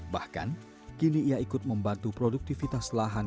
bahkan kini ia ikut membantu produktivitas lahan